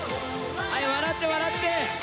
はい笑って笑って！